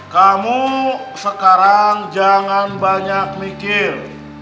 kamu sekarang jangan banyak mikir